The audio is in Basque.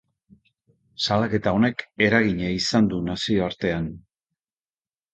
Salaketa honek eragina izan du nazioartean.